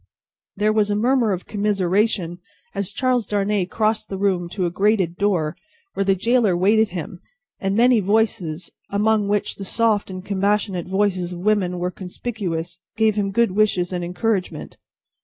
There was a murmur of commiseration as Charles Darnay crossed the room to a grated door where the gaoler awaited him, and many voices among which, the soft and compassionate voices of women were conspicuous gave him good wishes and encouragement.